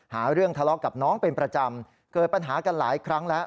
หาเรื่องทะเลาะกับน้องเป็นประจำเกิดปัญหากันหลายครั้งแล้ว